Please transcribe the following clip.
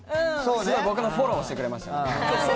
僕のフォローをしてくれました。